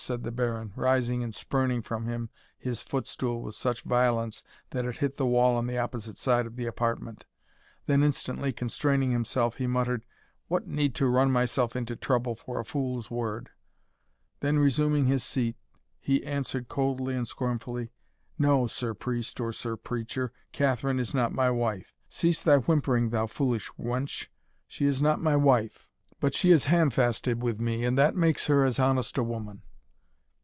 said the Baron, rising and spurning from him his footstool with such violence, that it hit the wall on the opposite side of the apartment then instantly constraining himself, he muttered, "What need to run myself into trouble for a fool's word?" then resuming his seat, he answered coldly and scornfully "No, Sir Priest or Sir Preacher, Catherine is not my wife Cease thy whimpering, thou foolish wench she is not my wife, but she is handfasted with me, and that makes her as honest a woman."